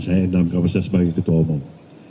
saya dalam kapasitas sebagai ketua umum